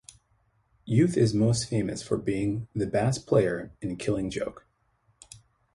Youth is most famous for being the bass player in Killing Joke.